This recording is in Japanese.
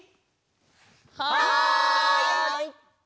はい！